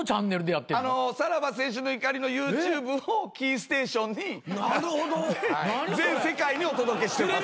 さらば青春の光のＹｏｕＴｕｂｅをキーステーションに全世界にお届けしてます。